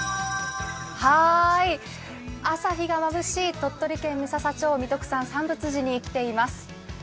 朝日がまぶしい鳥取県三朝町三徳山三佛寺に来ています。